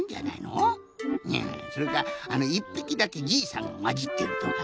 うんそれか１ぴきだけじいさんがまじってるとか。